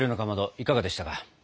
いかがでしたか？